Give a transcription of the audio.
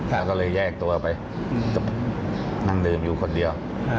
แล้วก็เลยแยกตัวไปนั่งดื่มอยู่คนเดียว